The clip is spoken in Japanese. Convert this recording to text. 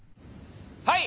はい！